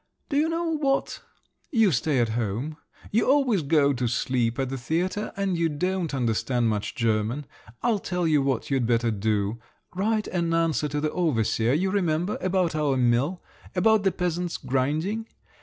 "Do you know what, you stay at home. You always go to sleep at the theatre, and you don't understand much German. I'll tell you what you'd better do, write an answer to the overseer—you remember, about our mill … about the peasants' grinding.